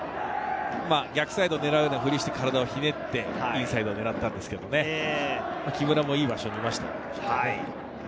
逆サイドを狙うようなフリをしてインサイドを狙ったんですけれど、木村もいい位置にいました。